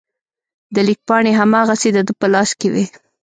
د لیک پاڼې هماغسې د ده په لاس کې وې.